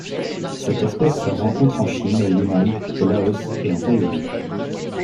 Cette espèce se rencontre en Chine au Yunnan, au Laos et en Thaïlande.